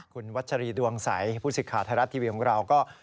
คุณวัชรีดวงใสผู้ศิษย์ขาธาระทีวีของเราก็